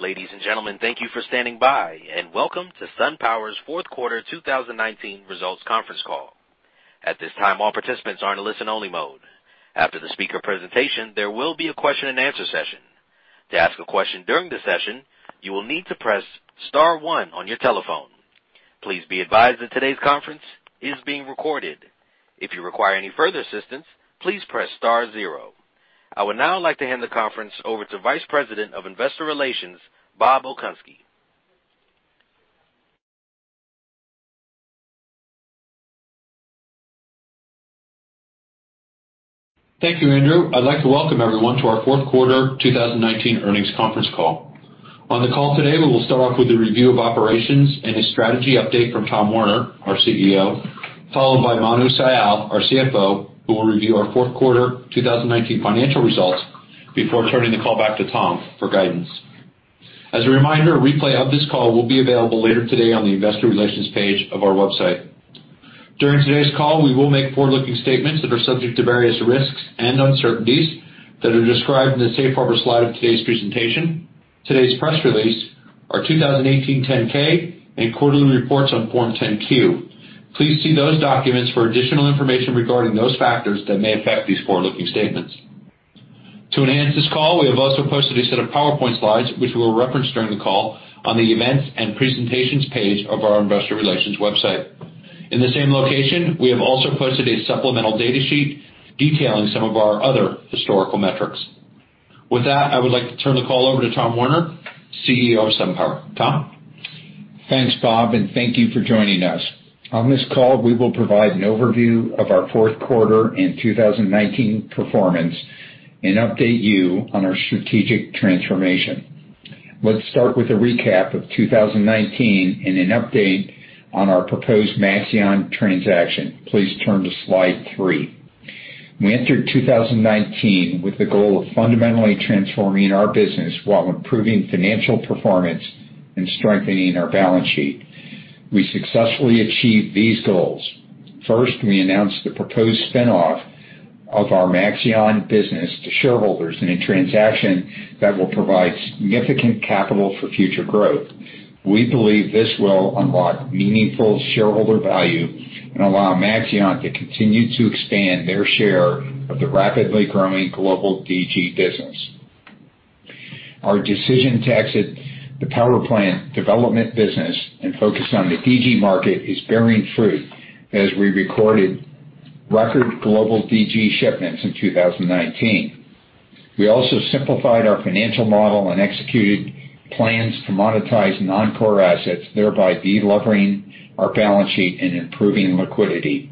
Ladies and gentlemen, thank you for standing by, and welcome to SunPower's fourth quarter 2019 results conference call. At this time, all participants are in a listen-only mode. After the speaker presentation, there will be a question-and-answer session. To ask a question during the session, you will need to press star one on your telephone. Please be advised that today's conference is being recorded. If you require any further assistance, please press star zero. I would now like to hand the conference over to Vice President of Investor Relations, Bob Okunski. Thank you, Andrew. I'd like to welcome everyone to our fourth quarter 2019 earnings conference call. On the call today, we will start off with a review of operations and a strategy update from Tom Werner, our CEO, followed by Manu Sial, our CFO, who will review our fourth quarter 2019 financial results before turning the call back to Tom for guidance. As a reminder, a replay of this call will be available later today on the investor relations page of our website. During today's call, we will make forward-looking statements that are subject to various risks and uncertainties that are described in the safe harbor slide of today's presentation, today's press release, our 2018 10-K, and quarterly reports on Form 10-Q. Please see those documents for additional information regarding those factors that may affect these forward-looking statements. To enhance this call, we have also posted a set of PowerPoint slides, which we will reference during the call on the events and presentations page of our investor relations website. In the same location, we have also posted a supplemental data sheet detailing some of our other historical metrics. With that, I would like to turn the call over to Tom Werner, CEO of SunPower. Tom? Thanks, Bob, and thank you for joining us. On this call, we will provide an overview of our fourth quarter and 2019 performance and update you on our strategic transformation. Let's start with a recap of 2019 and an update on our proposed Maxeon transaction. Please turn to slide three. We entered 2019 with the goal of fundamentally transforming our business while improving financial performance and strengthening our balance sheet. We successfully achieved these goals. First, we announced the proposed spin-off of our Maxeon business to shareholders in a transaction that will provide significant capital for future growth. We believe this will unlock meaningful shareholder value and allow Maxeon to continue to expand their share of the rapidly growing global DG business. Our decision to exit the power plant development business and focus on the DG market is bearing fruit as we recorded record global DG shipments in 2019. We also simplified our financial model and executed plans to monetize non-core assets, thereby delevering our balance sheet and improving liquidity.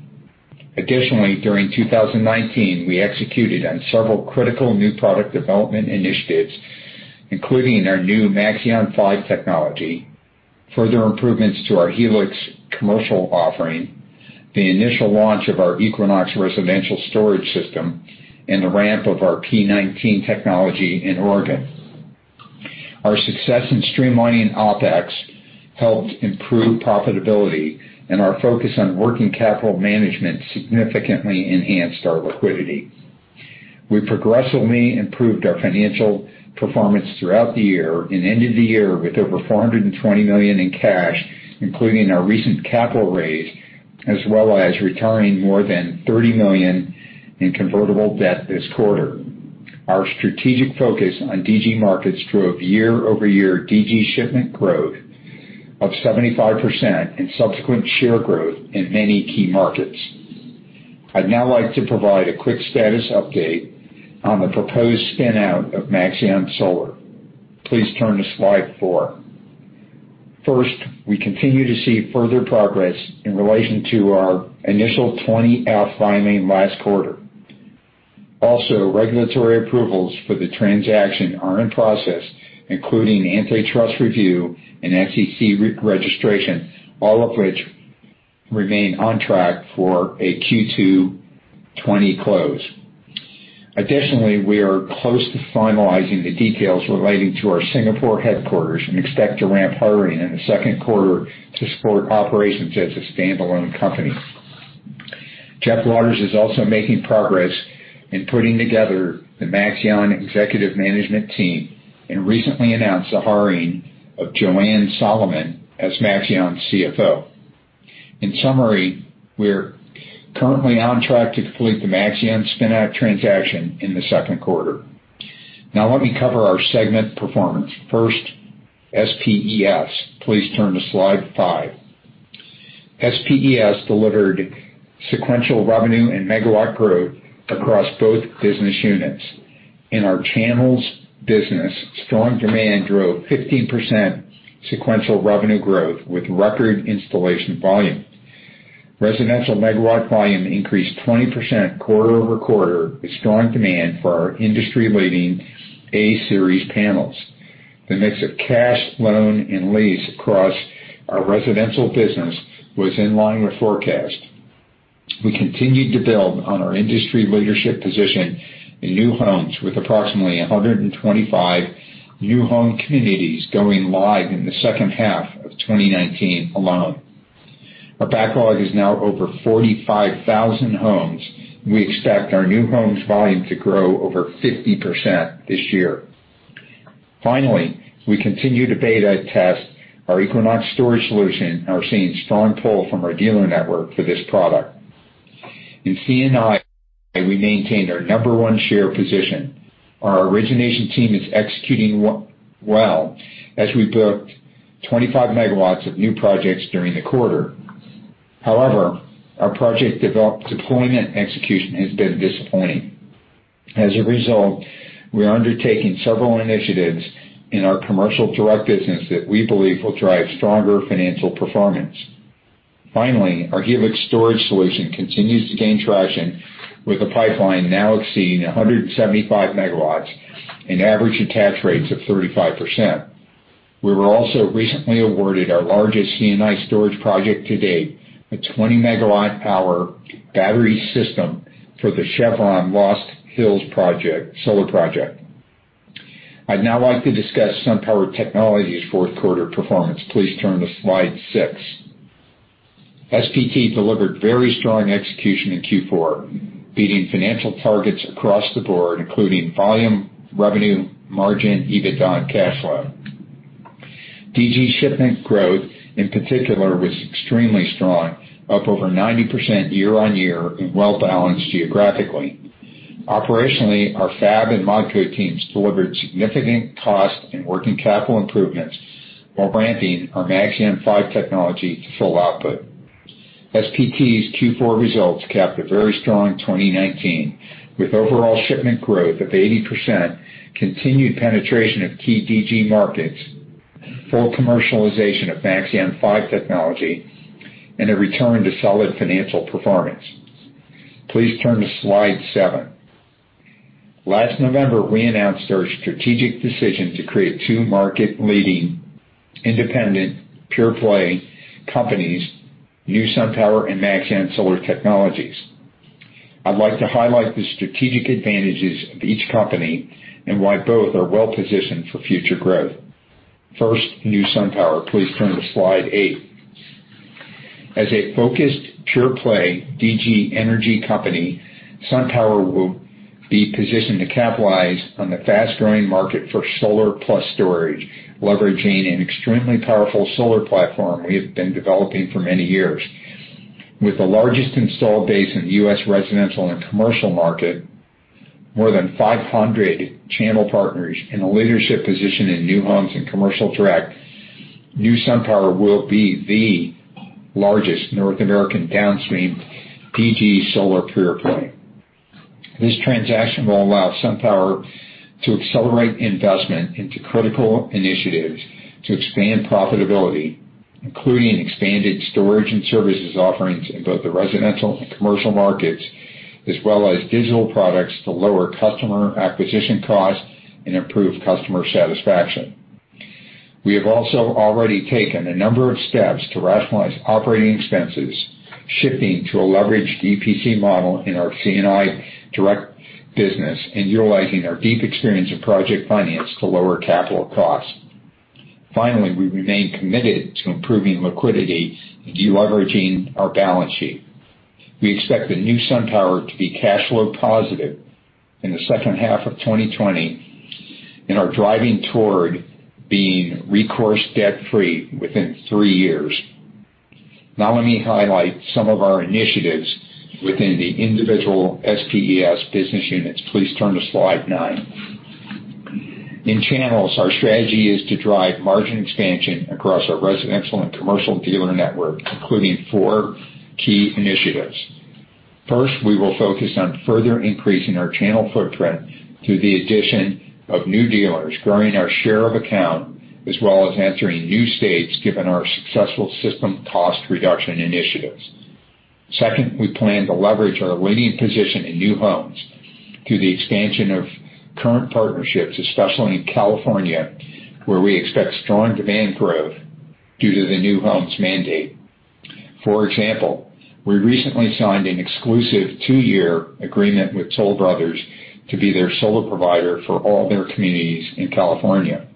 Additionally, during 2019, we executed on several critical new product development initiatives, including our new Maxeon 5 technology, further improvements to our Helix commercial offering, the initial launch of our Equinox residential storage system, and the ramp of our P19 technology in Oregon. Our success in streamlining OpEx helped improve profitability, and our focus on working capital management significantly enhanced our liquidity. We progressively improved our financial performance throughout the year and ended the year with over $420 million in cash, including our recent capital raise, as well as retiring more than $30 million in convertible debt this quarter. Our strategic focus on DG markets drove year-over-year DG shipment growth of 75% and subsequent share growth in many key markets. I'd now like to provide a quick status update on the proposed spin-out of Maxeon Solar. Please turn to slide four. First, we continue to see further progress in relation to our initial 20-F filing last quarter. Also, regulatory approvals for the transaction are in process, including antitrust review and SEC registration, all of which remain on track for a Q2 2020 close. Additionally, we are close to finalizing the details relating to our Singapore headquarters and expect to ramp hiring in the second quarter to support operations as a standalone company. Jeff Waters is also making progress in putting together the Maxeon executive management team and recently announced the hiring of Joanne Solomon as Maxeon's CFO. In summary, we're currently on track to complete the Maxeon spin-out transaction in the second quarter. Now let me cover our segment performance. First, SPES. Please turn to slide five. SPES delivered sequential revenue and megawatt growth across both business units. In our channels business, strong demand drove 15% sequential revenue growth, with record installation volume. Residential megawatt volume increased 20% quarter-over-quarter with strong demand for our industry-leading A-Series panels. The mix of cash, loan, and lease across our residential business was in line with forecast. We continued to build on our industry leadership position in new homes with approximately 125 new home communities going live in the second half of 2019 alone. Our backlog is now over 45,000 homes. We expect our new homes volume to grow over 50% this year. Finally, we continue to beta test our Equinox Storage solution and are seeing strong pull from our dealer network for this product. In C&I, we maintained our number one share position. Our origination team is executing well as we booked 25 MW of new projects during the quarter. However, our project deployment execution has been disappointing. As a result, we are undertaking several initiatives in our commercial direct business that we believe will drive stronger financial performance. Finally, our Helix storage solution continues to gain traction with the pipeline now exceeding 175 MW and average attach rates of 35%. We were also recently awarded our largest C&I storage project to date, a 20-megawatt power battery system for the Chevron Lost Hills solar project. I'd now like to discuss SunPower Technologies' fourth quarter performance. Please turn to slide six. SPT delivered very strong execution in Q4, beating financial targets across the board, including volume, revenue, margin, EBITDA, and cash flow. DG shipment growth, in particular, was extremely strong, up over 90% year-on-year and well-balanced geographically. Operationally, our fab and Modco teams delivered significant cost and working capital improvements while ramping our Maxeon 5 technology to full output. SPT's Q4 results capped a very strong 2019, with overall shipment growth of 80%, continued penetration of key DG markets, full commercialization of Maxeon 5 technology, and a return to solid financial performance. Please turn to slide seven. Last November, we announced our strategic decision to create two market-leading independent pure-play companies, New SunPower and Maxeon Solar Technologies. I'd like to highlight the strategic advantages of each company and why both are well-positioned for future growth. First, New SunPower. Please turn to slide eight. As a focused, pure-play DG energy company, SunPower will be positioned to capitalize on the fast-growing market for solar plus storage, leveraging an extremely powerful solar platform we have been developing for many years. With the largest installed base in the U.S. residential and commercial market, more than 500 channel partners, and a leadership position in new homes and commercial direct, New SunPower will be the largest North American downstream DG solar pure-play. This transaction will allow SunPower to accelerate investment into critical initiatives to expand profitability, including expanded storage and services offerings in both the residential and commercial markets, as well as digital products to lower customer acquisition costs and improve customer satisfaction. We have also already taken a number of steps to rationalize operating expenses, shifting to a leveraged EPC model in our C&I direct business and utilizing our deep experience of project finance to lower capital costs. Finally, we remain committed to improving liquidity and deleveraging our balance sheet. We expect the New SunPower to be cash flow positive in the second half of 2020 and are driving toward being recourse debt-free within three years. Let me highlight some of our initiatives within the individual SPES business units. Please turn to slide nine. In channels, our strategy is to drive margin expansion across our residential and commercial dealer network, including four key initiatives. First, we will focus on further increasing our channel footprint through the addition of new dealers, growing our share of account, as well as entering new states, given our successful system cost reduction initiatives. Second, we plan to leverage our leading position in new homes through the expansion of current partnerships, especially in California, where we expect strong demand growth due to the new homes mandate. For example, we recently signed an exclusive two-year agreement with Toll Brothers to be their solar provider for all their communities in California.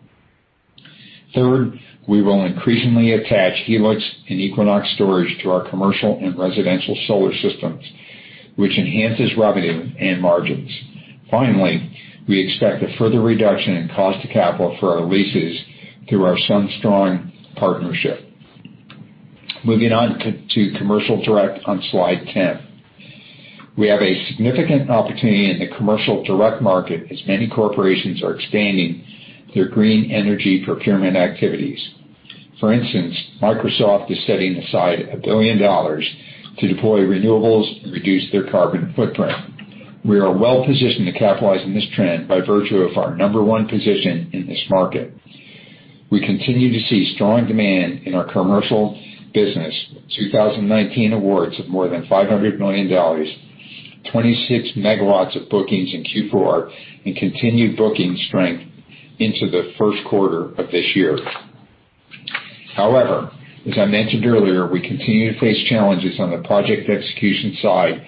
Third, we will increasingly attach Helix and Equinox Storage to our commercial and residential solar systems, which enhances revenue and margins. Finally, we expect a further reduction in cost to capital for our leases through our SunStrong partnership. Moving on to commercial direct on slide 10. We have a significant opportunity in the commercial direct market as many corporations are expanding their green energy procurement activities. For instance, Microsoft is setting aside $1 billion to deploy renewables and reduce their carbon footprint. We are well positioned to capitalize on this trend by virtue of our number one position in this market. We continue to see strong demand in our commercial business. 2019 awards of more than $500 million, 26 MW of bookings in Q4, and continued booking strength into the first quarter of this year. However, as I mentioned earlier, we continue to face challenges on the project execution side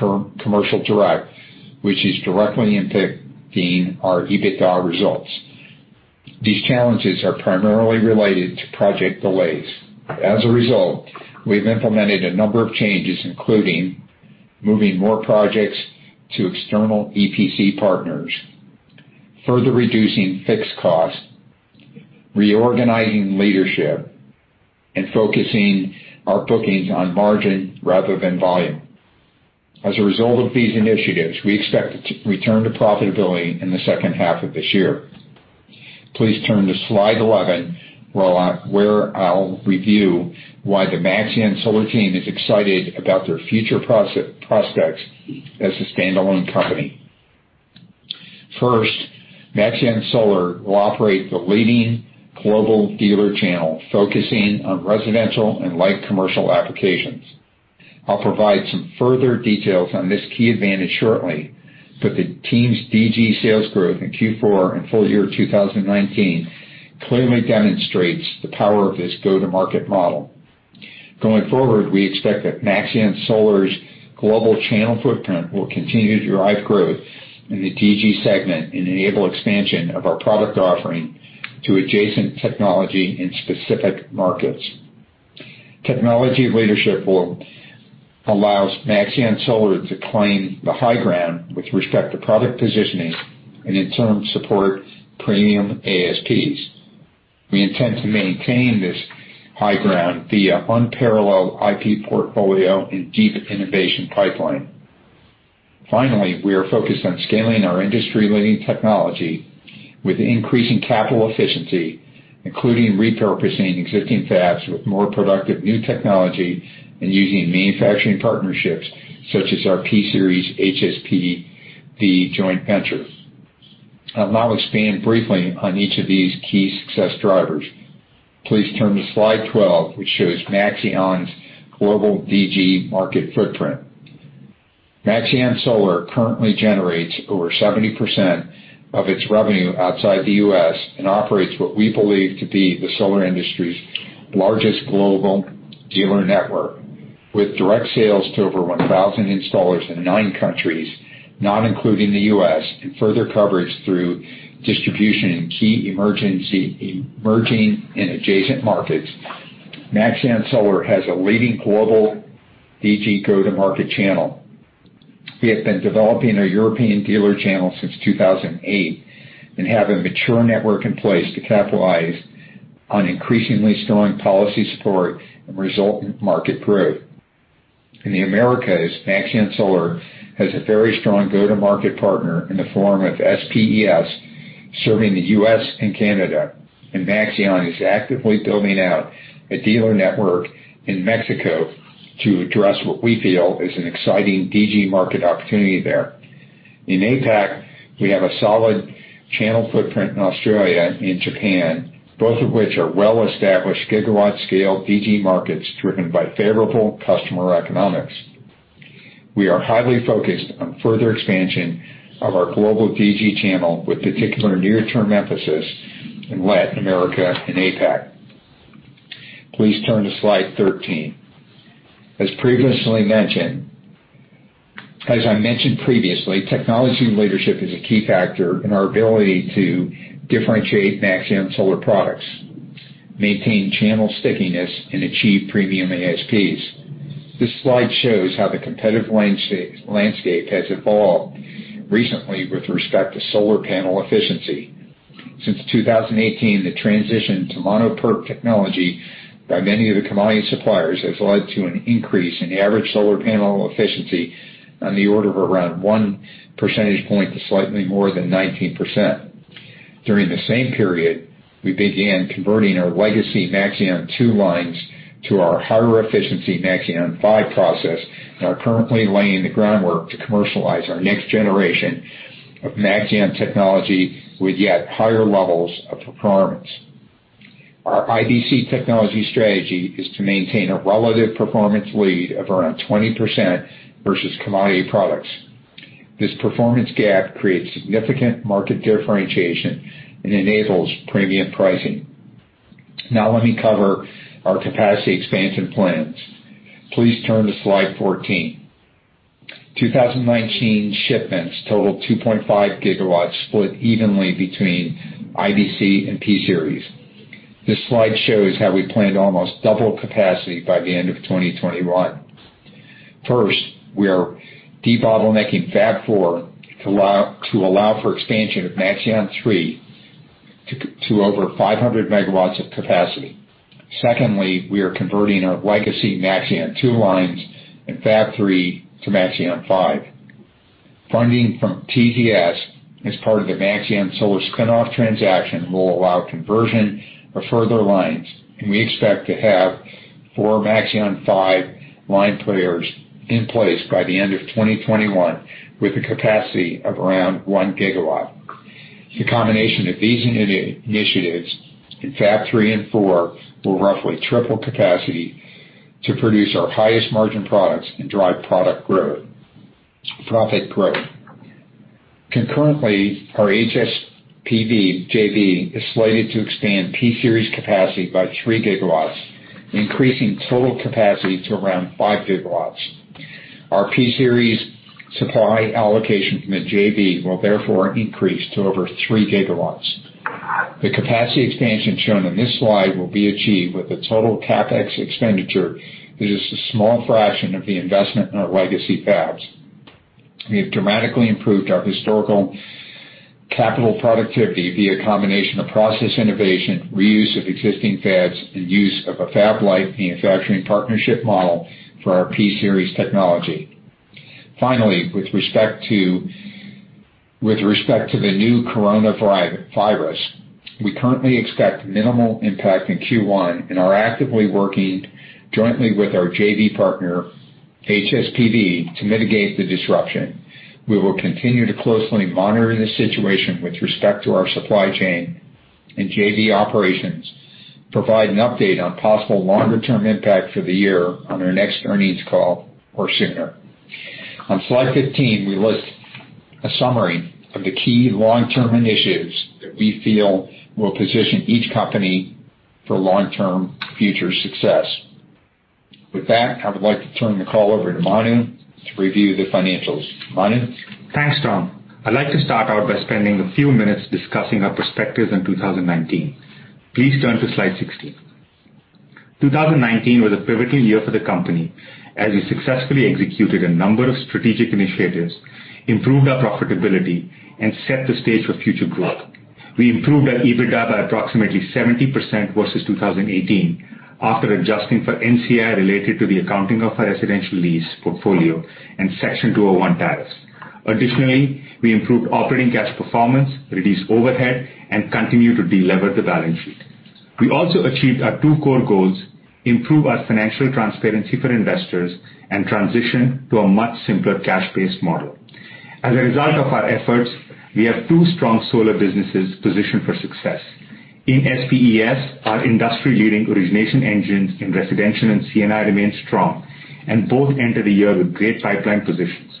of commercial direct, which is directly impacting our EBITDA results. These challenges are primarily related to project delays. As a result, we've implemented a number of changes, including moving more projects to external EPC partners, further reducing fixed costs, reorganizing leadership, and focusing our bookings on margin rather than volume. As a result of these initiatives, we expect to return to profitability in the second half of this year. Please turn to slide 11, where I'll review why the Maxeon Solar team is excited about their future prospects as a standalone company. First, Maxeon Solar will operate the leading global dealer channel, focusing on residential and light commercial applications. I'll provide some further details on this key advantage shortly. The team's DG sales growth in Q4 and full year 2019 clearly demonstrates the power of this go-to-market model. Going forward, we expect that Maxeon Solar's global channel footprint will continue to drive growth in the DG segment and enable expansion of our product offering to adjacent technology in specific markets. Technology leadership will allow Maxeon Solar to claim the high ground with respect to product positioning and in turn, support premium ASPs. We intend to maintain this high ground via unparalleled IP portfolio and deep innovation pipeline. Finally, we are focused on scaling our industry-leading technology with increasing capital efficiency, including repurposing existing fabs with more productive new technology and using manufacturing partnerships such as our P-Series HSPV joint venture. I'll now expand briefly on each of these key success drivers. Please turn to slide 12, which shows Maxeon's global DG market footprint. Maxeon Solar currently generates over 70% of its revenue outside the U.S. and operates what we believe to be the solar industry's largest global dealer network. With direct sales to over 1,000 installers in nine countries, not including the U.S., and further coverage through distribution in key emerging and adjacent markets, Maxeon Solar has a leading global DG go-to-market channel. We have been developing our European dealer channel since 2008 and have a mature network in place to capitalize on increasingly strong policy support and resultant market growth. In the Americas, Maxeon Solar has a very strong go-to-market partner in the form of SPES, serving the U.S. and Canada, and Maxeon is actively building out a dealer network in Mexico to address what we feel is an exciting DG market opportunity there. In APAC, we have a solid channel footprint in Australia and Japan, both of which are well-established gigawatt-scale DG markets driven by favorable customer economics. We are highly focused on further expansion of our global DG channel, with particular near-term emphasis in Latin America and APAC. Please turn to slide 13. As I mentioned previously, technology leadership is a key factor in our ability to differentiate Maxeon Solar products, maintain channel stickiness, and achieve premium ASPs. This slide shows how the competitive landscape has evolved recently with respect to solar panel efficiency. Since 2018, the transition to mono-PERC technology by many of the commodity suppliers has led to an increase in average solar panel efficiency on the order of around 1 percentage point to slightly more than 19%. During the same period, we began converting our legacy Maxeon 2 lines to our higher-efficiency Maxeon 5 process and are currently laying the groundwork to commercialize our next generation of Maxeon technology with yet higher levels of performance. Our IBC technology strategy is to maintain a relative performance lead of around 20% versus commodity products. This performance gap creates significant market differentiation and enables premium pricing. Let me cover our capacity expansion plans. Please turn to slide 14. 2019 shipments totaled 2.5 GW, split evenly between IBC and P-Series. This slide shows how we plan to almost double capacity by the end of 2021. First, we are debottlenecking Fab 4 to allow for expansion of Maxeon 3 to over 500 MW of capacity. Secondly, we are converting our legacy Maxeon 2 lines in Fab 3 to Maxeon 5. Funding from TZS as part of the Maxeon Solar spin-off transaction will allow conversion of further lines, and we expect to have four Maxeon 5 line players in place by the end of 2021 with a capacity of around 1 GW. The combination of these initiatives in Fab 3 and 4 will roughly triple capacity to produce our highest-margin products and drive profit growth. Concurrently, our HSPV JV is slated to expand P-Series capacity by 3 GW, increasing total capacity to around 5 GW. Our P-Series supply allocation from the JV will therefore increase to over 3 GW. The capacity expansion shown on this slide will be achieved with a total CapEx expenditure that is a small fraction of the investment in our legacy fabs. We have dramatically improved our historical capital productivity via a combination of process innovation, reuse of existing fabs, and use of a fab-lite manufacturing partnership model for our P-Series technology. Finally, with respect to the new coronavirus, we currently expect minimal impact in Q1 and are actively working jointly with our JV partner, HSPV, to mitigate the disruption. We will continue to closely monitor the situation with respect to our supply chain and JV operations, provide an update on possible longer-term impact for the year on our next earnings call, or sooner. On slide 15, we list a summary of the key long-term initiatives that we feel will position each company for long-term future success. With that, I would like to turn the call over to Manu to review the financials. Manu? Thanks, Tom. I'd like to start out by spending a few minutes discussing our perspectives in 2019. Please turn to slide 16. 2019 was a pivotal year for the company as we successfully executed a number of strategic initiatives, improved our profitability, and set the stage for future growth. We improved our EBITDA by approximately 70% versus 2018 after adjusting for NCI related to the accounting of our residential lease portfolio and Section 201 tariffs. Additionally, we improved operating cash performance, reduced overhead, and continued to delever the balance sheet. We also achieved our two core goals: improve our financial transparency for investors and transition to a much simpler cash-based model. As a result of our efforts, we have two strong solar businesses positioned for success. In SPES, our industry-leading origination engines in residential and C&I remain strong and both enter the year with great pipeline positions.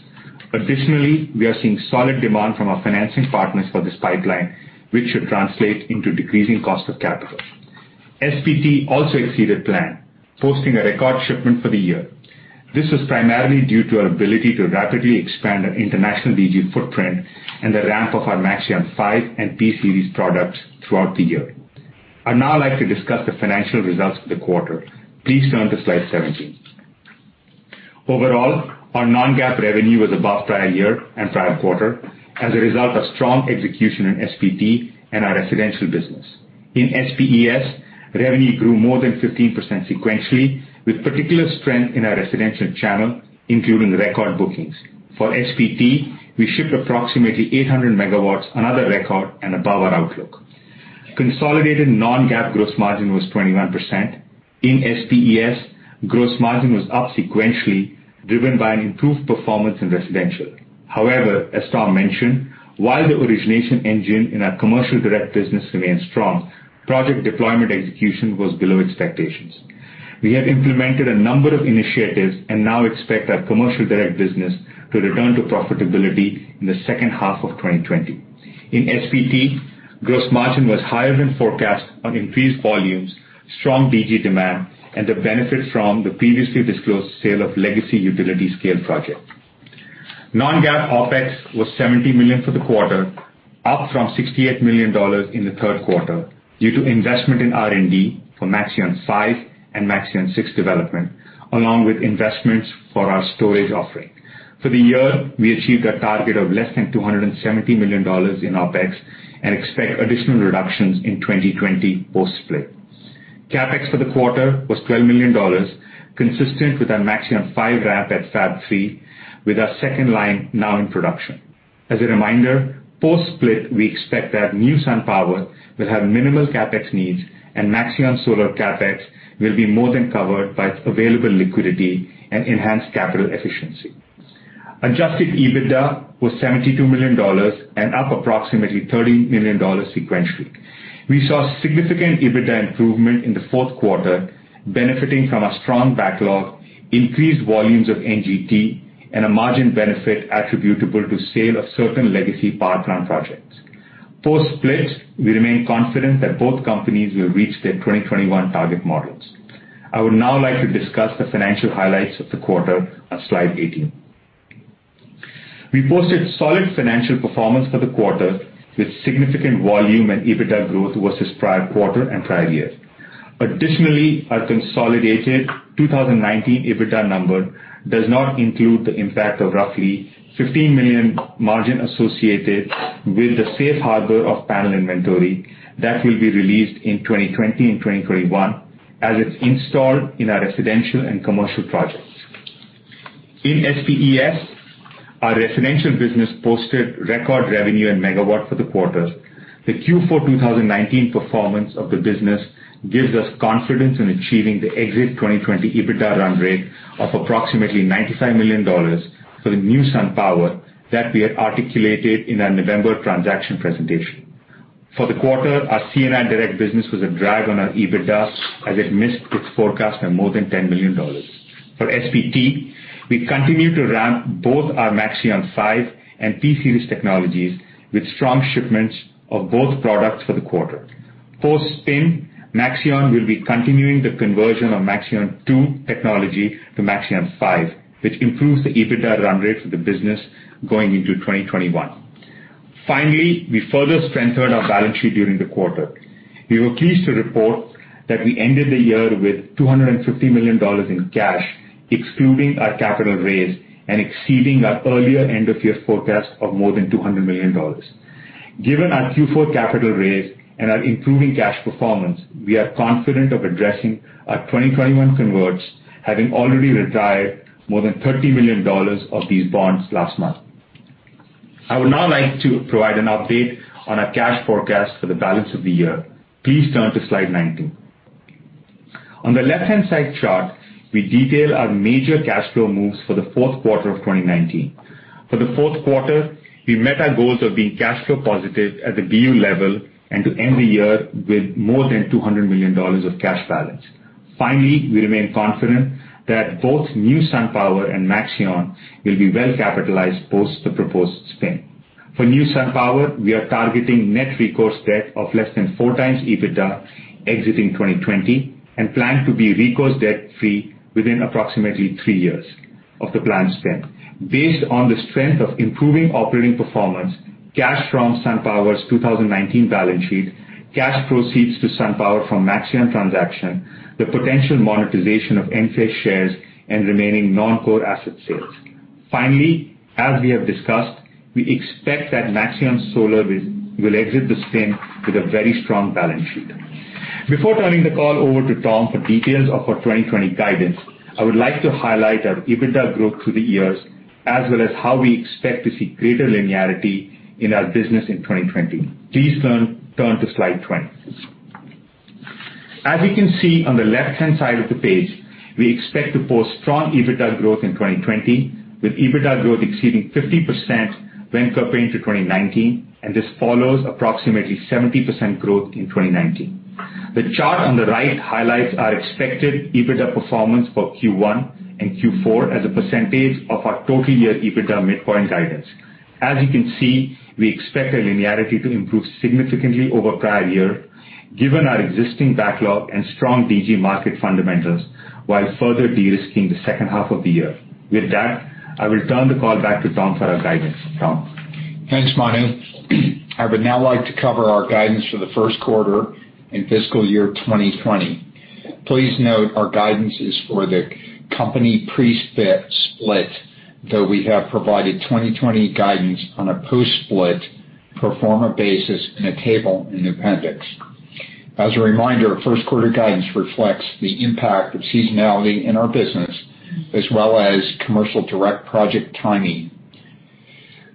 Additionally, we are seeing solid demand from our financing partners for this pipeline, which should translate into decreasing cost of capital. SPT also exceeded plan, posting a record shipment for the year. This was primarily due to our ability to rapidly expand our international DG footprint and the ramp of our Maxeon 5 and P-Series products throughout the year. I'd now like to discuss the financial results for the quarter. Please turn to slide 17. Overall, our non-GAAP revenue was above prior year and prior quarter as a result of strong execution in SPT and our residential business. In SPES, revenue grew more than 15% sequentially, with particular strength in our residential channel, including record bookings. For SPT, we shipped approximately 800 MW, another record, and above our outlook. Consolidated non-GAAP gross margin was 21%. In SPES, gross margin was up sequentially, driven by an improved performance in residential. However, as Tom mentioned, while the origination engine in our commercial direct business remains strong, project deployment execution was below expectations. We have implemented a number of initiatives and now expect our commercial direct business to return to profitability in the second half of 2020. In SPT, gross margin was higher than forecast on increased volumes, strong DG demand, and the benefit from the previously disclosed sale of legacy utility scale projects. Non-GAAP OpEx was $70 million for the quarter, up from $68 million in the third quarter due to investment in R&D for Maxeon 5 and Maxeon 6 development, along with investments for our storage offering. For the year, we achieved our target of less than $270 million in OpEx and expect additional reductions in 2020 post-split. CapEx for the quarter was $12 million, consistent with our Maxeon 5 ramp at Fab 3, with our second line now in production. As a reminder, post-split, we expect that New SunPower will have minimal CapEx needs and Maxeon Solar CapEx will be more than covered by its available liquidity and enhanced capital efficiency. Adjusted EBITDA was $72 million and up approximately $30 million sequentially. We saw significant EBITDA improvement in the fourth quarter, benefiting from a strong backlog, increased volumes of NGT, and a margin benefit attributable to sale of certain legacy power plant projects. Post split, we remain confident that both companies will reach their 2021 target models. I would now like to discuss the financial highlights of the quarter on slide 18. We posted solid financial performance for the quarter with significant volume and EBITDA growth versus prior quarter and prior year. Additionally, our consolidated 2019 EBITDA number does not include the impact of roughly $15 million margin associated with the safe harbor of panel inventory that will be released in 2020 and 2021 as it's installed in our residential and commercial projects. In SPES, our residential business posted record revenue and megawatt for the quarter. The Q4 2019 performance of the business gives us confidence in achieving the exit 2020 EBITDA run rate of approximately $95 million for the New SunPower that we had articulated in our November transaction presentation. For the quarter, our C&I direct business was a drag on our EBITDA as it missed its forecast by more than $10 million. For SPT, we continue to ramp both our Maxeon 5 and P-Series technologies with strong shipments of both products for the quarter. Post spin, Maxeon will be continuing the conversion of Maxeon 2 technology to Maxeon 5, which improves the EBITDA run rate for the business going into 2021. We further strengthened our balance sheet during the quarter. We were pleased to report that we ended the year with $250 million in cash, excluding our capital raise and exceeding our earlier end-of-year forecast of more than $200 million. Given our Q4 capital raise and our improving cash performance, we are confident of addressing our 2021 converts, having already retired more than $30 million of these bonds last month. I would now like to provide an update on our cash forecast for the balance of the year. Please turn to slide 19. On the left-hand side chart, we detail our major cash flow moves for the fourth quarter of 2019. For the fourth quarter, we met our goals of being cash flow positive at the BU level and to end the year with more than $200 million of cash balance. We remain confident that both new SunPower and Maxeon will be well capitalized post the proposed spin. For new SunPower, we are targeting net recourse debt of less than 4x EBITDA exiting 2020 and plan to be recourse debt-free within approximately three years of the planned spin. Based on the strength of improving operating performance, cash from SunPower's 2019 balance sheet, cash proceeds to SunPower from Maxeon transaction, the potential monetization of Enphase shares, and remaining non-core asset sales. As we have discussed, we expect that Maxeon Solar will exit the spin with a very strong balance sheet. Before turning the call over to Tom for details of our 2020 guidance, I would like to highlight our EBITDA growth through the years, as well as how we expect to see greater linearity in our business in 2020. Please turn to slide 20. As you can see on the left-hand side of the page, we expect to post strong EBITDA growth in 2020, with EBITDA growth exceeding 50% when comparing to 2019, and this follows approximately 70% growth in 2019. The chart on the right highlights our expected EBITDA performance for Q1 and Q4 as a percentage of our total-year EBITDA midpoint guidance. As you can see, we expect our linearity to improve significantly over prior year given our existing backlog and strong DG market fundamentals, while further de-risking the second half of the year. With that, I will turn the call back to Tom for our guidance. Tom? Thanks, Manu. I would now like to cover our guidance for the first quarter in fiscal year 2020. Please note our guidance is for the company pre-split, though we have provided 2020 guidance on a post-split pro forma basis in a table in the appendix. As a reminder, first quarter guidance reflects the impact of seasonality in our business as well as commercial direct project timing.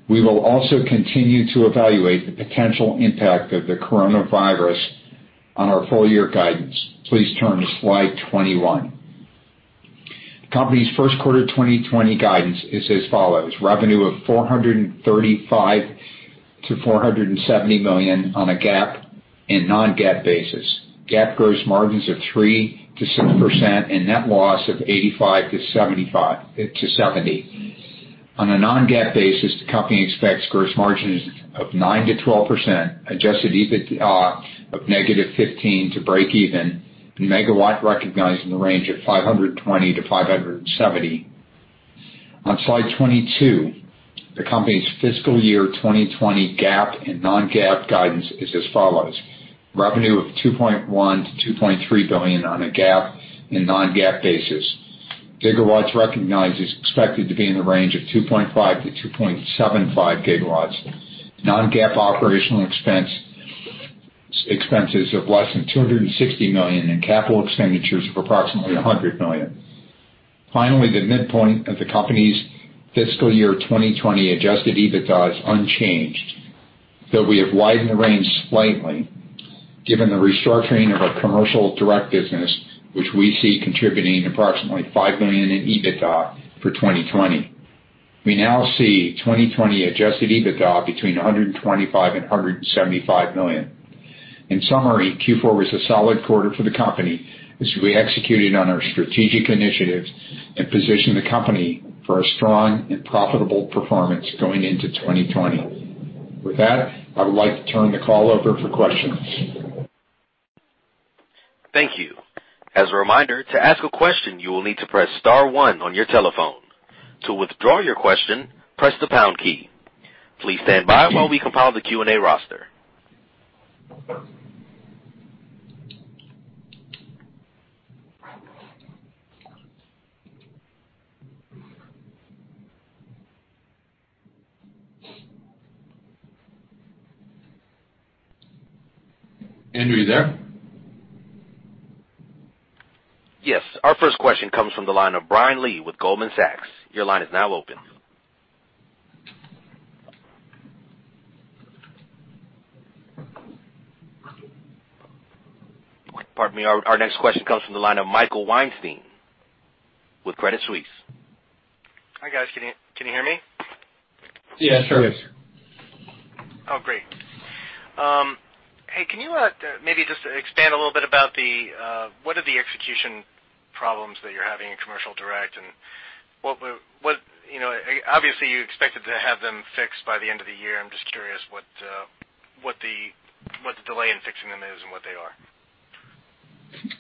We will also continue to evaluate the potential impact of the coronavirus on our full-year guidance. Please turn to slide 21. The company's first quarter 2020 guidance is as follows: Revenue of $435 million-$470 million on a GAAP and non-GAAP basis. GAAP gross margins of 3%-6% and net loss of $85 million-$70 million. On a non-GAAP basis, the company expects gross margins of 9%-12%, adjusted EBITDA of -$15 million to break even, and megawatt recognized in the range of 520 MW-570 MW. On slide 22, the company's fiscal year 2020 GAAP and non-GAAP guidance is as follows: Revenue of $2.1 billion-$2.3 billion on a GAAP and non-GAAP basis. Gigawatts recognized is expected to be in the range of 2.5 GW-2.75 GW. Non-GAAP operational expenses of less than $260 million and capital expenditures of approximately $100 million. The midpoint of the company's fiscal year 2020 adjusted EBITDA is unchanged, though we have widened the range slightly given the restructuring of our commercial direct business, which we see contributing approximately $5 million in EBITDA for 2020. We now see 2020 adjusted EBITDA between $125 million and $175 million. In summary, Q4 was a solid quarter for the company as we executed on our strategic initiatives and positioned the company for a strong and profitable performance going into 2020. With that, I would like to turn the call over for questions. Thank you. As a reminder, to ask a question, you will need to press star one on your telephone. To withdraw your question, press the pound key. Please stand by while we compile the Q&A roster. Andrew, you there? Yes. Our first question comes from the line of Brian Lee with Goldman Sachs. Your line is now open. Pardon me. Our next question comes from the line of Michael Weinstein with Credit Suisse. Hi, guys. Can you hear me? Yes. Sure. Oh, great. Hey, can you maybe just expand a little bit about what are the execution problems that you're having in commercial direct and obviously you expected to have them fixed by the end of the year? I'm just curious what the delay in fixing them is and what they are? This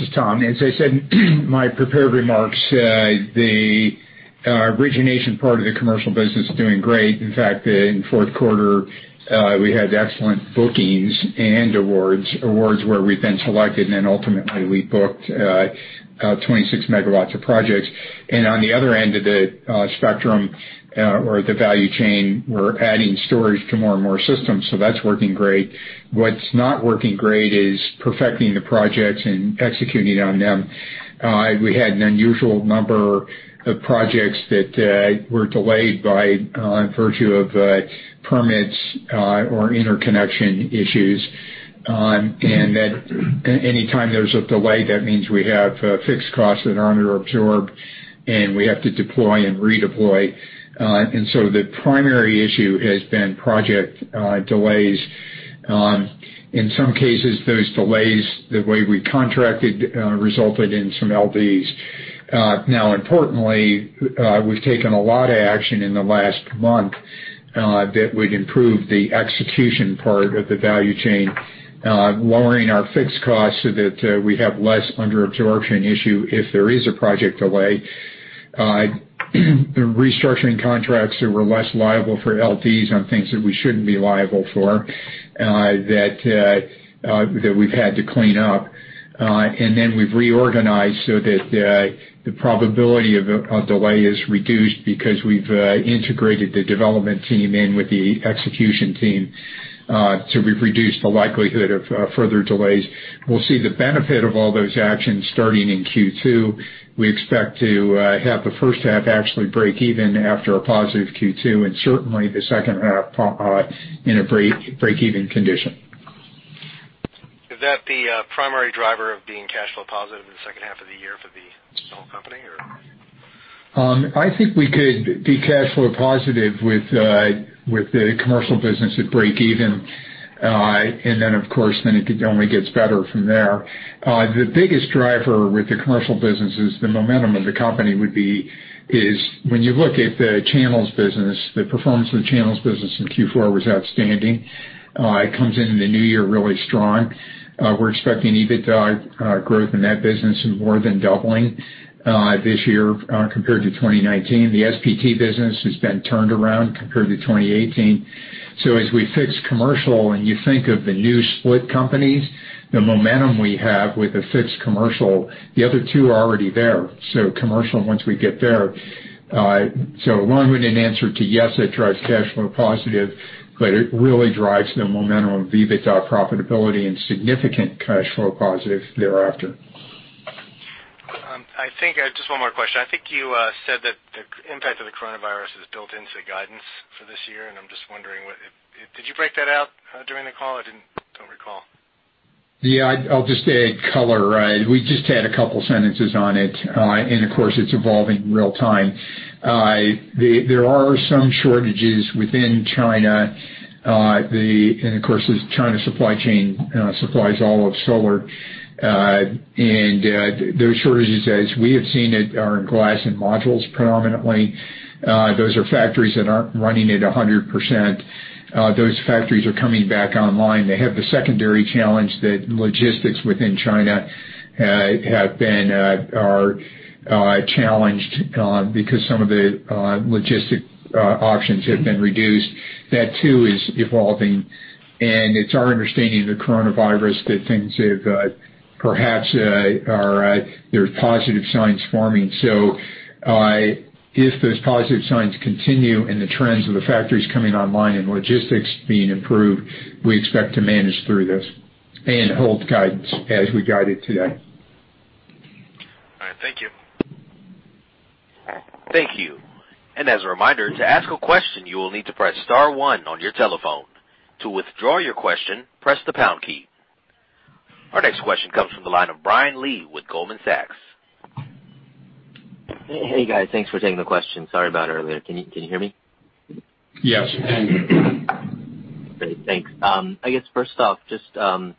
is Tom. As I said in my prepared remarks, the origination part of the commercial business is doing great. In fact, in the fourth quarter, we had excellent bookings and awards. Awards where we've been selected and then ultimately we booked 26 MW of projects. On the other end of the spectrum or the value chain, we're adding storage to more and more systems. That's working great. What's not working great is perfecting the projects and executing on them. We had an unusual number of projects that were delayed by virtue of permits or interconnection issues. Any time there's a delay, that means we have fixed costs that are under-absorbed, and we have to deploy and redeploy. The primary issue has been project delays. In some cases, those delays, the way we contracted, resulted in some LDs. Importantly, we've taken a lot of action in the last month that would improve the execution part of the value chain, lowering our fixed costs so that we have less under-absorption issue if there is a project delay. Restructuring contracts that were less liable for LDs on things that we shouldn't be liable for, that we've had to clean up. We've reorganized so that the probability of a delay is reduced because we've integrated the development team in with the execution team to reduce the likelihood of further delays. We'll see the benefit of all those actions starting in Q2. We expect to have the first half actually break even after a positive Q2, and certainly the second half in a break-even condition. Is that the primary driver of being cash flow positive in the second half of the year for the whole company? I think we could be cash flow positive with the commercial business at breakeven. Of course, then it only gets better from there. The biggest driver with the commercial business is the momentum of the company would be is when you look at the channels business, the performance of the channels business in Q4 was outstanding. It comes into the new year really strong. We're expecting EBITDA growth in that business more than doubling this year compared to 2019. The SPT business has been turned around compared to 2018. As we fix commercial and you think of the new split companies, the momentum we have with a fixed commercial, the other two are already there. Commercial once we get there. Long-winded answer to yes, it drives cash flow positive, but it really drives the momentum of EBITDA profitability and significant cash flow positive thereafter. Just one more question. I think you said that the impact of the coronavirus is built into the guidance for this year, and I'm just wondering, did you break that out during the call? I don't recall. Yeah, I'll just add color. We just had a couple sentences on it. Of course, it's evolving in real time. There are some shortages within China. Of course, the China supply chain supplies all of solar. Those shortages, as we have seen it, are in glass and modules predominantly. Those are factories that aren't running at 100%. Those factories are coming back online. They have the secondary challenge that logistics within China are challenged because some of the logistic options have been reduced. That too is evolving. It's our understanding the coronavirus that things have perhaps there are positive signs forming. If those positive signs continue and the trends of the factories coming online and logistics being improved, we expect to manage through this and hold guidance as we guided today. All right. Thank you. Thank you. As a reminder, to ask a question, you will need to press star one on your telephone. To withdraw your question, press the pound key. Our next question comes from the line of Brian Lee with Goldman Sachs. Hey, guys. Thanks for taking the question. Sorry about earlier. Can you hear me? Yes. We can. Great. Thanks. I guess first off, just on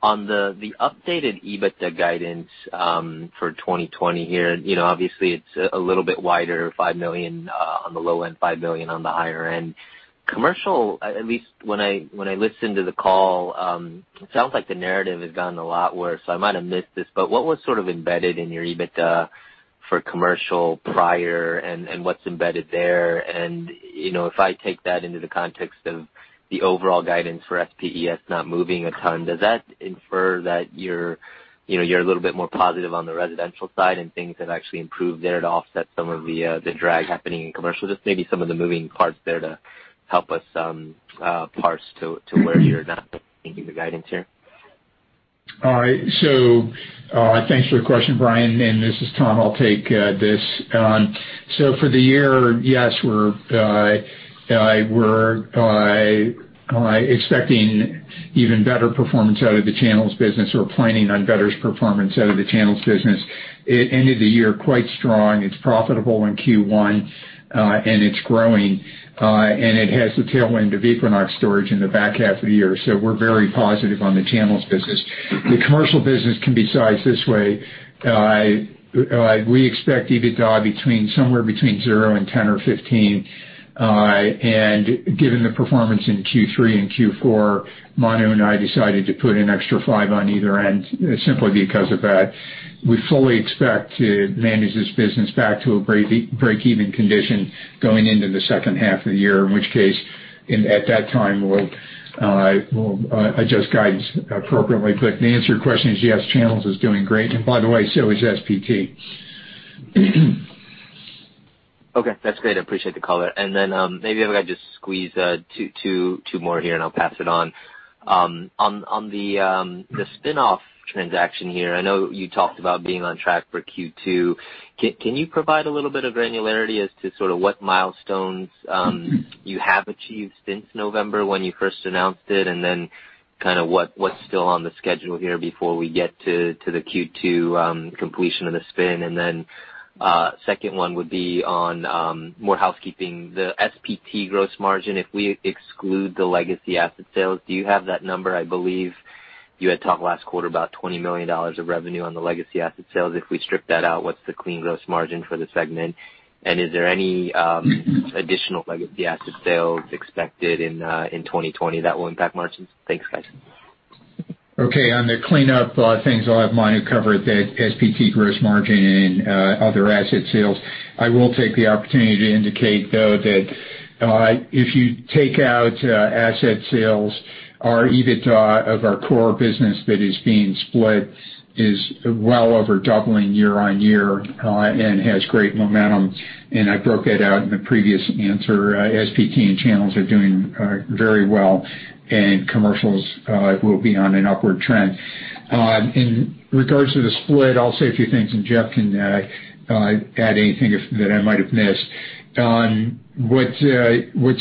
the updated EBITDA guidance for 2020 here. It's a little bit wider, $5 million on the low end, $5 million on the higher end. Commercial, at least when I listened to the call, it sounds like the narrative has gotten a lot worse. I might have missed this, but what was sort of embedded in your EBITDA for commercial prior and what's embedded there? If I take that into the context of the overall guidance for SPES not moving a ton, does that infer that you're a little bit more positive on the residential side and things have actually improved there to offset some of the drag happening in commercial? Just maybe some of the moving parts there to help us parse to where you're now thinking the guidance here. All right. Thanks for the question, Brian, and this is Tom. I'll take this. For the year, yes, we're expecting even better performance out of the channels business. We're planning on better performance out of the channels business. It ended the year quite strong. It's profitable in Q1, and it's growing, and it has the tailwind of Equinox Storage in the back half of the year. We're very positive on the channels business. The commercial business can be sized this way. We expect EBITDA somewhere between $0 million and $10 million or $15 million. Given the performance in Q3 and Q4, Manu and I decided to put an extra $5 million on either end simply because of that. We fully expect to manage this business back to a breakeven condition going into the second half of the year, in which case, at that time, we'll adjust guidance appropriately. To answer your question is yes, channels is doing great. By the way, so is SPT. Okay. That's great. I appreciate the color. Maybe if I could just squeeze two more here, and I'll pass it on. On the spin-off transaction here, I know you talked about being on track for Q2. Can you provide a little bit of granularity as to what milestones you have achieved since November when you first announced it, and then what's still on the schedule here before we get to the Q2 completion of the spin? Second one would be on more housekeeping, the SPT gross margin. If we exclude the legacy asset sales, do you have that number? I believe you had talked last quarter about $20 million of revenue on the legacy asset sales. If we strip that out, what's the clean gross margin for the segment? Is there any additional legacy asset sales expected in 2020 that will impact margins? Thanks, guys. Okay. On the cleanup things, I'll have Manu cover the SPT gross margin and other asset sales. I will take the opportunity to indicate, though, that if you take out asset sales, our EBITDA of our core business that is being split is well over doubling year-over-year and has great momentum, and I broke that out in the previous answer. SPT and channels are doing very well, and commercials will be on an upward trend. In regards to the split, I'll say a few things, and Jeff can add anything that I might have missed. What's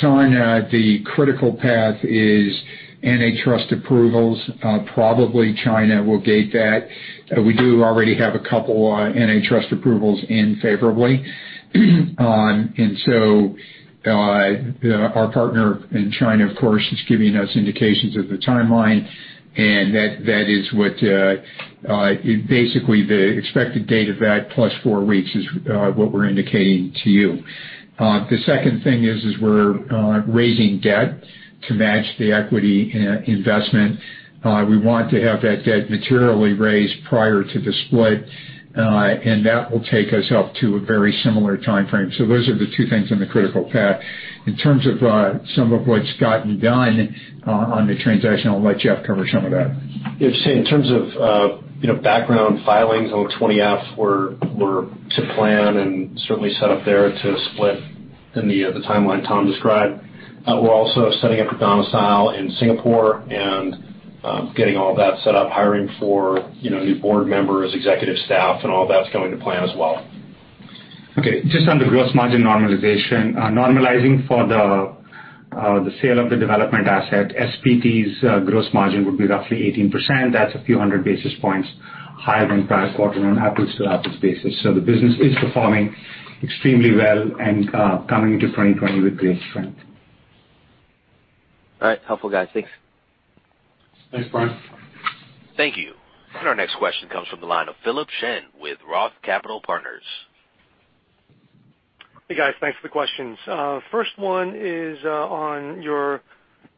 on the critical path is antitrust approvals. Probably China will gate that. We do already have a couple antitrust approvals in favorably. Our partner in China, of course, is giving us indications of the timeline, and that is what basically the expected date of that plus four weeks is what we're indicating to you. The second thing is we're raising debt to match the equity investment. We want to have that debt materially raised prior to the split, and that will take us up to a very similar timeframe. Those are the two things on the critical path. In terms of some of what's gotten done on the transaction, I'll let Jeff cover some of that. Yeah. In terms of background filings on the 20-F, we're to plan and certainly set up there to split in the timeline Tom described. We're also setting up a domicile in Singapore and getting all that set up, hiring for new board members, executive staff, and all that's going to plan as well. Okay. Just on the gross margin normalization. Normalizing for the sale of the development asset, SPT's gross margin would be roughly 18%. That's a few hundred basis points higher than prior quarter on apples-to-apples basis. The business is performing extremely well and coming into 2020 with great strength. All right. Helpful, guys. Thanks. Thanks, Brian. Thank you. Our next question comes from the line of Philip Shen with Roth Capital Partners. Hey, guys. Thanks for the questions. First one is on your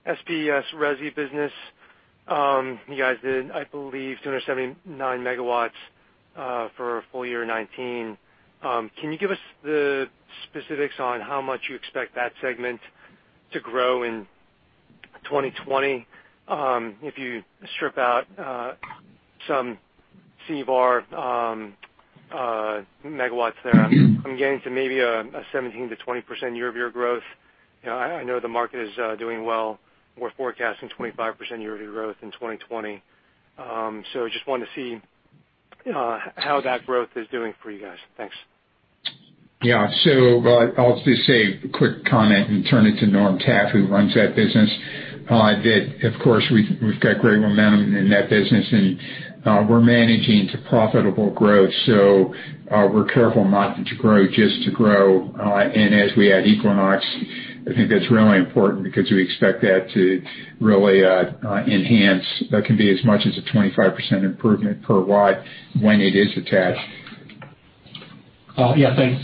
SPES resi business. You guys did, I believe, 279 MWfor full year 2019. Can you give us the specifics on how much you expect that segment to grow in 2020? If you strip out some CVaR megawatts there, I'm getting to maybe a 17%-20% year-over-year growth. I know the market is doing well. We're forecasting 25% year-over-year growth in 2020. Just wanted to see how that growth is doing for you guys. Thanks. I'll just say a quick comment and turn it to Norm Taffe, who runs that business. Of course, we've got great momentum in that business, and we're managing to profitable growth. We're careful not to grow just to grow. As we add Equinox, I think that's really important because we expect that to really enhance. That can be as much as a 25% improvement per watt when it is attached. Thanks.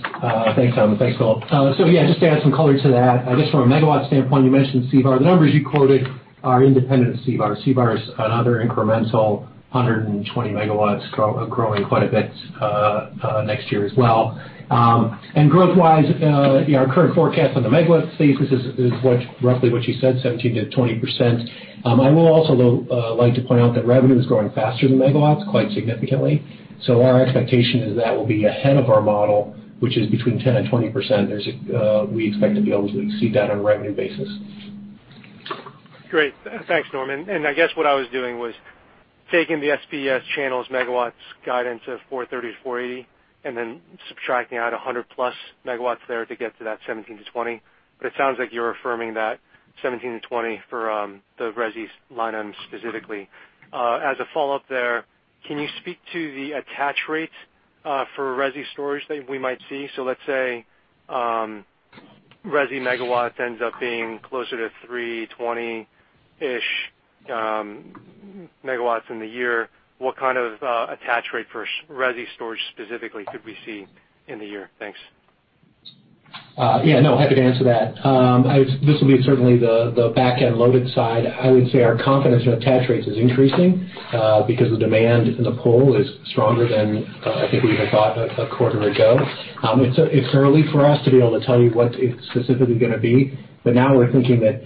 Thanks, Tom. Thanks, Phil. Just to add some color to that, I guess from a megawatt standpoint, you mentioned CVaR. The numbers you quoted are independent of CVaR. CVaR is another incremental 120 MW growing quite a bit next year as well. Growth-wise, our current forecast on the megawatts thesis is roughly what you said, 17%-20%. I will also like to point out that revenue is growing faster than megawatts quite significantly. Our expectation is that will be ahead of our model, which is between 10% and 20%. We expect to be able to exceed that on a revenue basis. Great. Thanks, Norm. I guess what I was doing was taking the SPES channels' megawatts guidance of 430 MW-480 MW and then subtracting out 100+ MW there to get to that 17%-20%. It sounds like you're affirming that 17%-20% for the resi line specifically. As a follow-up there, can you speak to the attach rate for resi storage that we might see? Let's say resi megawatt ends up being closer to 320-ish MW in the year, what kind of attach rate for resi storage specifically could we see in the year? Thanks. Yeah, no, happy to answer that. This will be certainly the back-end loaded side. I would say our confidence in attach rates is increasing because the demand in the poll is stronger than I think we even thought a quarter ago. It's early for us to be able to tell you what it's specifically going to be. Now we're thinking that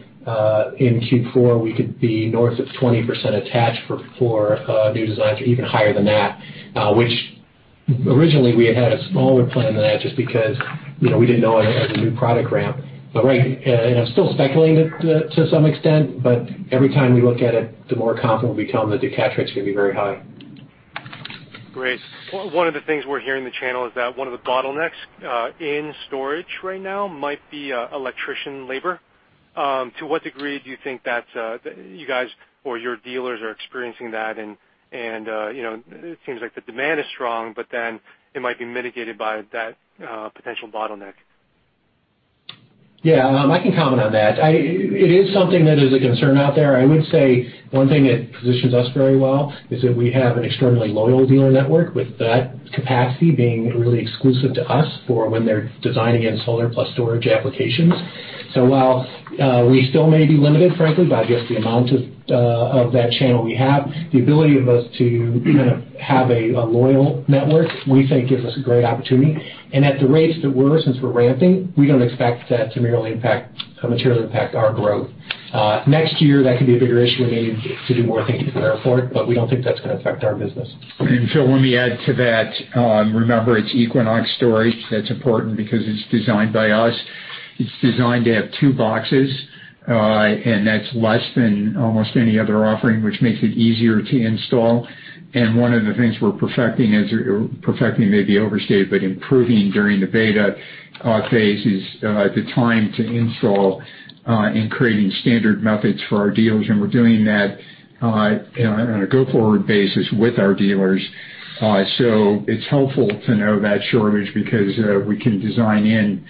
in Q4 we could be north of 20% attached for new designs or even higher than that. Which originally we had had a smaller plan than that just because we didn't know it as a new product ramp. Right, I'm still speculating it to some extent, but every time we look at it, the more confident we become that the attach rate's going to be very high. Great. One of the things we're hearing in the channel is that one of the bottlenecks in storage right now might be electrician labor. To what degree do you think that you guys or your dealers are experiencing that? It seems like the demand is strong, but then it might be mitigated by that potential bottleneck. Yeah. I can comment on that. It is something that is a concern out there. I would say one thing that positions us very well is that we have an extremely loyal dealer network with that capacity being really exclusive to us for when they're designing and solar plus storage applications. While we still may be limited, frankly, by just the amount of that channel we have, the ability of us to have a loyal network, we think gives us a great opportunity. At the rates that we're, since we're ramping, we don't expect that to materially impact our growth. Next year, that could be a bigger issue. We may need to do more things to prepare for it, but we don't think that's going to affect our business. Phil, let me add to that. Remember, it's Equinox Storage. That's important because it's designed by us. It's designed to have two boxes, and that's less than almost any other offering, which makes it easier to install. One of the things we're perfecting maybe overstate, but improving during the beta phase is the time to install, and creating standard methods for our dealers. We're doing that on a go-forward basis with our dealers. It's helpful to know that shortage because we can design in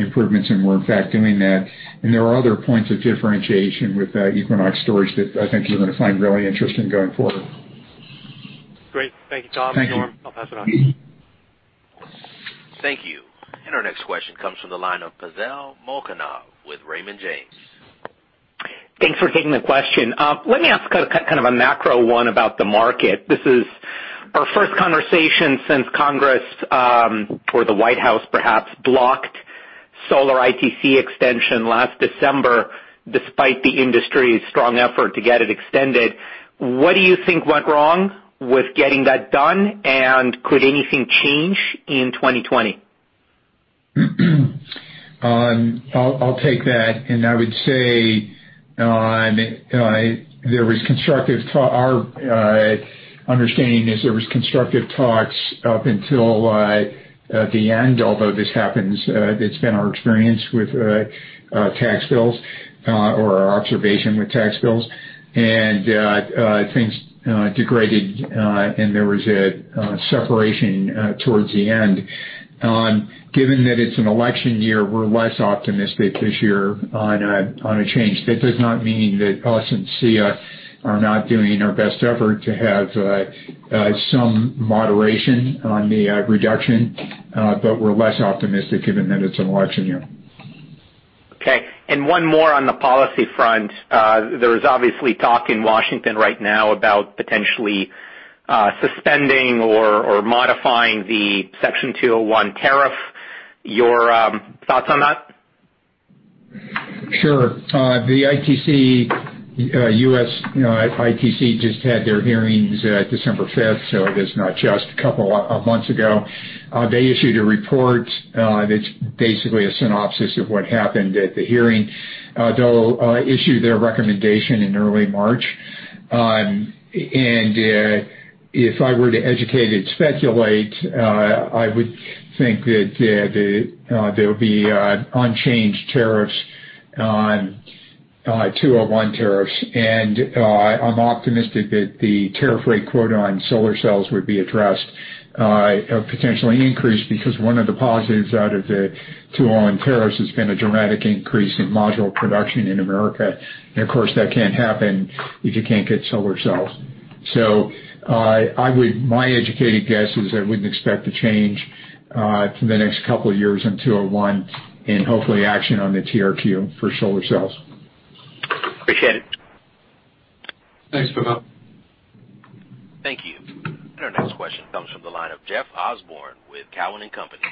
improvements, and we're in fact doing that. There are other points of differentiation with Equinox Storage that I think you're going to find really interesting going forward. Great. Thank you, Tom— Thank you. And Norm, I'll pass it on. Thank you. Our next question comes from the line of Pavel Molchanov with Raymond James. Thanks for taking the question. Let me ask kind of a macro one about the market. This is our first conversation since Congress, or the White House perhaps blocked solar ITC extension last December, despite the industry's strong effort to get it extended. What do you think went wrong with getting that done, and could anything change in 2020? I'll take that, and I would say our understanding is there was constructive talks up until the end, although this happens, it's been our experience with tax bills or our observation with tax bills. Things degraded, and there was a separation towards the end. Given that it's an election year, we're less optimistic this year on a change. That does not mean that us and SEIA are not doing our best effort to have some moderation on the reduction, but we're less optimistic given that it's an election year. Okay. One more on the policy front. There is obviously talk in Washington right now about potentially suspending or modifying the Section 201 tariff. Your thoughts on that? Sure. The ITC, U.S. ITC just had their hearings December 5th. It is not just a couple of months ago. They issued a report. It's basically a synopsis of what happened at the hearing. They'll issue their recommendation in early March. If I were to educated speculate, I would think that there'll be unchanged tariffs on 201 tariffs. I'm optimistic that the tariff rate quota on solar cells would be addressed, or potentially increased, because one of the positives out of the 201 tariffs has been a dramatic increase in module production in America. Of course, that can't happen if you can't get solar cells. My educated guess is I wouldn't expect a change for the next couple of years on 201 and hopefully action on the TRQ for solar cells. Appreciate it. Thanks, Pavel. Thank you. Our next question comes from the line of Jeff Osborne with Cowen and Company.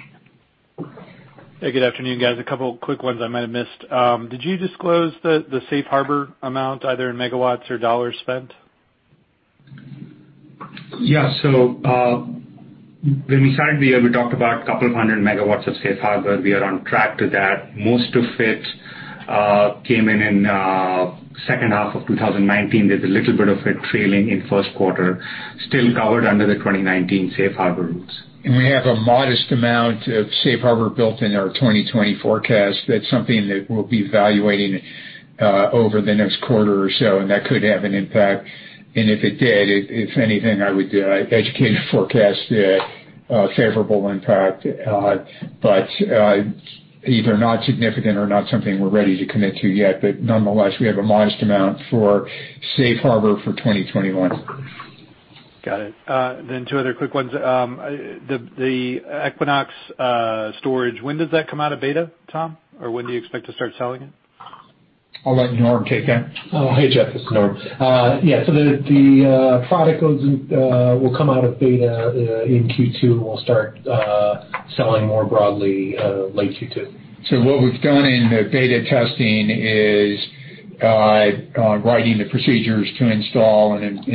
Hey, good afternoon, guys. A couple of quick ones I might have missed. Did you disclose the safe harbor amount either in megawatts or dollars spent? Yeah. When we started the year, we talked about 200 MW of safe harbor. We are on track to that. Most of it came in in second half of 2019. There's a little bit of it trailing in first quarter, still covered under the 2019 safe harbor rules. We have a modest amount of safe harbor built in our 2020 forecast. That's something that we'll be evaluating over the next quarter or so, and that could have an impact. If it did, if anything, I would educated forecast that favorable impact, but either not significant or not something we're ready to commit to yet. Nonetheless, we have a modest amount for safe harbor for 2021. Got it. Two other quick ones. The Equinox Storage, when does that come out of beta, Tom? When do you expect to start selling it? I'll let Norm take that. Oh, hey, Jeff. It's Norm. Yeah. The product will come out of beta in Q2. We'll start selling more broadly late Q2. What we've done in the beta testing is writing the procedures to install and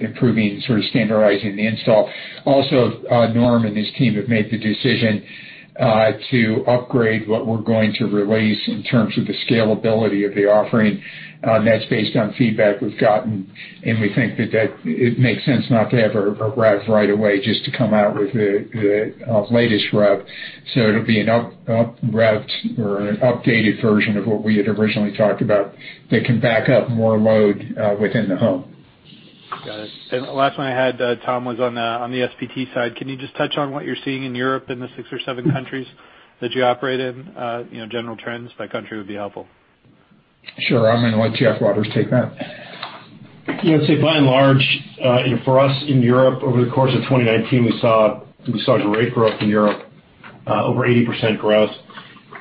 improving, sort of standardizing the install. Norm and his team have made the decision to upgrade what we're going to release in terms of the scalability of the offering. That's based on feedback we've gotten, and we think that it makes sense not to have a rev right away just to come out with the latest rev. It'll be an updated version of what we had originally talked about that can back up more load within the home. Got it. The last one I had, Tom, was on the SPT side. Can you just touch on what you're seeing in Europe in the six or seven countries that you operate in? General trends by country would be helpful. Sure. I'm going to let Jeff Waters take that. I would say by and large, for us in Europe over the course of 2019, we saw great growth in Europe, over 80% growth.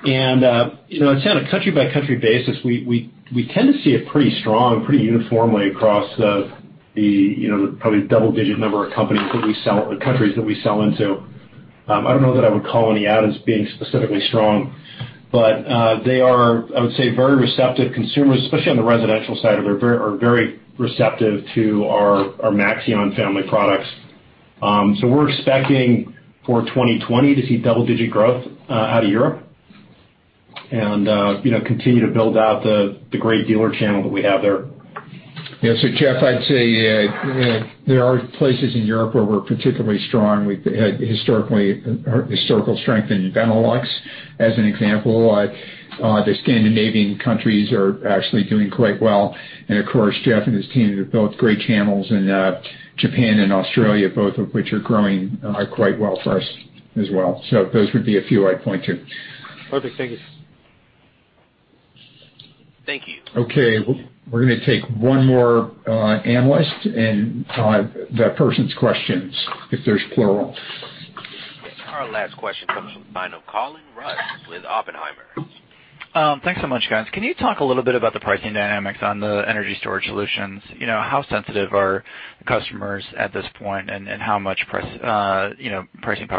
On a country-by-country basis, we tend to see it pretty strong, pretty uniformly across the probably double-digit number of countries that we sell into. I don't know that I would call any out as being specifically strong, but they are, I would say, very receptive consumers, especially on the residential side, are very receptive to our Maxeon family of products. We're expecting for 2020 to see double-digit growth out of Europe and continue to build out the great dealer channel that we have there. Yeah. Jeff, I'd say there are places in Europe where we're particularly strong. We've had historical strength in Benelux, as an example. The Scandinavian countries are actually doing quite well. Of course, Jeff and his team have built great channels in Japan and Australia, both of which are growing quite well for us as well. Those would be a few I'd point to. Perfect. Thank you. Thank you. Okay. We're going to take one more analyst and the person's questions, if there's plural. Our last question comes from the line of Colin Rusch with Oppenheimer. Thanks so much, guys. Can you talk a little bit about the pricing dynamics on the energy storage solutions? How sensitive are customers at this point, and how much pricing power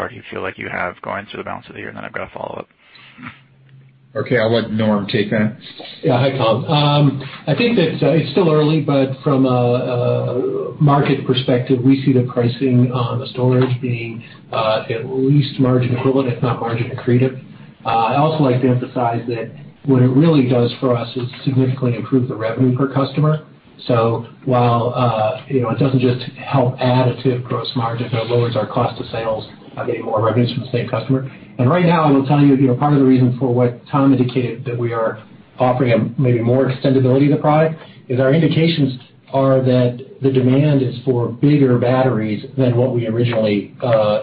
do you feel like you have going through the balance of the year? I've got a follow-up. Okay. I'll let Norm take that. Yeah. Hi, Colin. I think that it's still early, but from a market perspective, we see the pricing on the storage being at least margin equivalent, if not margin accretive. I also like to emphasize that what it really does for us is significantly improve the revenue per customer. While it doesn't just help add to gross margin, but it lowers our cost of sales by getting more revenues from the same customer. Right now, I will tell you, part of the reason for what Tom indicated, that we are offering maybe more extendibility of the product, is our indications are that the demand is for bigger batteries than what we originally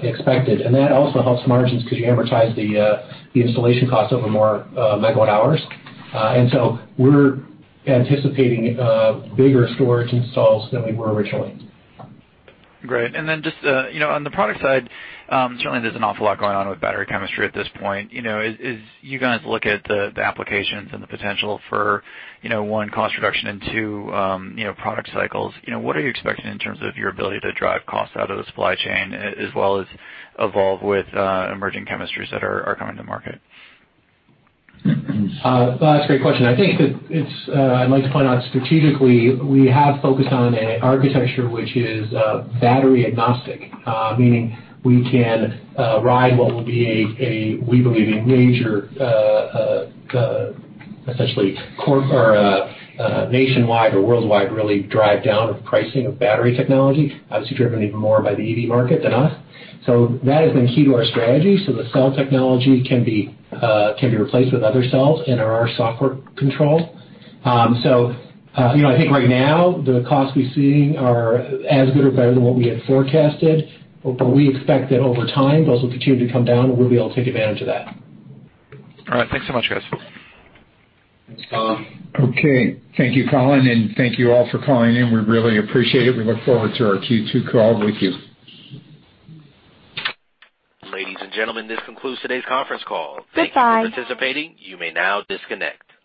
expected. That also helps margins because you amortize the installation cost over more megawatt-hours. We're anticipating bigger storage installs than we were originally. Great. Just on the product side, certainly there's an awful lot going on with battery chemistry at this point. As you guys look at the applications and the potential for, one, cost reduction and two, product cycles, what are you expecting in terms of your ability to drive costs out of the supply chain as well as evolve with emerging chemistries that are coming to market? That's a great question. I think that I'd like to point out strategically, we have focused on an architecture which is battery agnostic, meaning we can ride what will be a, we believe, a major essentially nationwide or worldwide, really, drive down of pricing of battery technology, obviously driven even more by the EV market than us. That has been key to our strategy, so the cell technology can be replaced with other cells and are our software control. I think right now the costs we're seeing are as good or better than what we had forecasted, but we expect that over time, those will continue to come down and we'll be able to take advantage of that. All right. Thanks so much, guys. Thanks, Colin. Thank you, Colin. Thank you all for calling in. We really appreciate it. We look forward to our Q2 call with you. Ladies and gentlemen, this concludes today's conference call. Thank you for participating. You may now disconnect.